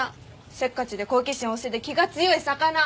せっかちで好奇心旺盛で気が強い魚。